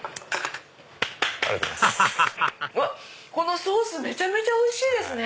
ハハハハこのソースめちゃめちゃおいしいですね！